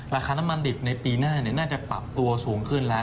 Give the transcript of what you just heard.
ราคาน้ำมันดิบในปีหน้าน่าจะปรับตัวสูงขึ้นแล้ว